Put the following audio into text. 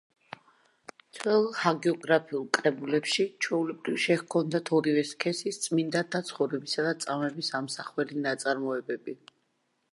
ძველ ჰაგიოგრაფიულ კრებულებში ჩვეულებრივ შეჰქონდათ ორივე სქესის წმინდანთა ცხოვრებისა და წამების ამსახველი ნაწარმოებები.